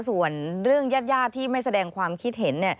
ส่วนเรื่องญาติที่ไม่แสดงความคิดเห็น